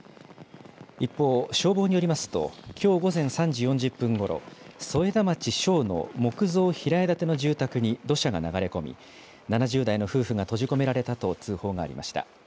一方、消防によりますと、きょう午前３時４０分ごろ、添田町庄の木造平屋建ての住宅に土砂が流れ込み、７０代の夫婦が閉じ込められたと通報がありました。